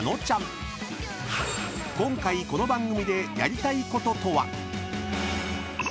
［今回この番組でやりたいこととは？］